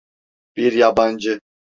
Bir yabancı.